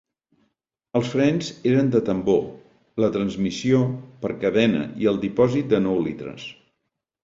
Els frens eren de tambor, la transmissió per cadena i el dipòsit de nou litres.